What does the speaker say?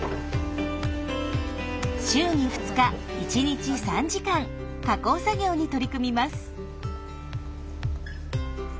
週に２日１日３時間加工作業に取り組みます。